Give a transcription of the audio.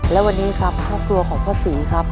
และวันนี้ครับครอบครัวของพ่อศรีครับ